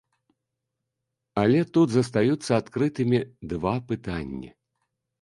Але тут застаюцца адкрытымі два пытанні.